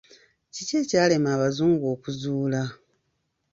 Kiki ekyalema abazungu okuzuula?